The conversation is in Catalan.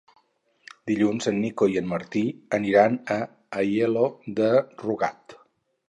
Dilluns en Nico i en Martí aniran a Aielo de Rugat.